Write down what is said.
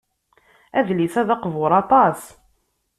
Adlis-a d aqbur aṭas.